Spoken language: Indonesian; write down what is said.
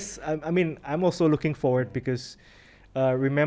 saya juga menarik karena